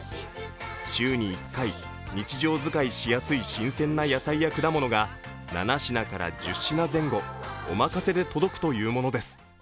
週に１回、日常使いしやすい新鮮な野菜や果物が７品から１０品前後お任せで届くというものです。